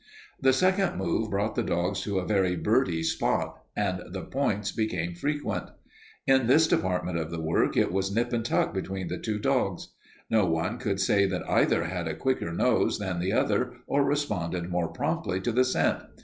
The second move brought the dogs to a very birdy spot, and the points became frequent. In this department of the work it was nip and tuck between the two dogs. No one could say that either had a quicker nose than the other or responded more promptly to the scent.